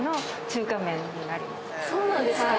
そうなんですか！？